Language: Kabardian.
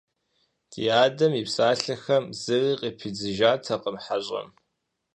Ди адэм и псалъэхэм зыри къыпидзыжатэкъым хьэщӀэм.